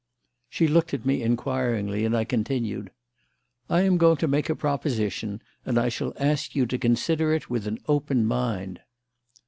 She looked at me inquiringly, and I continued: "I am going to make a proposition, and I shall ask you to consider it with an open mind."